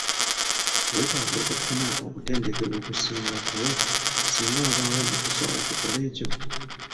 Weetaaga okufuna okutendekebwa okusingako singa wabaawo omukisa okukola ekyo?